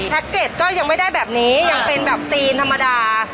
เก็ตก็ยังไม่ได้แบบนี้ยังเป็นแบบจีนธรรมดา